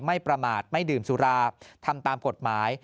ประมาทไม่ดื่มสุราทำตามกฎหมาย